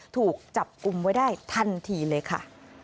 ถูกจับกลุ่มไว้ได้ทันทีเลยค่ะ